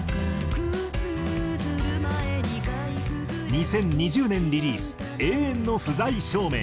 ２０２０年リリース『永遠の不在証明』。